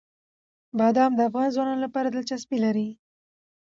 بادام د افغان ځوانانو لپاره دلچسپي لري.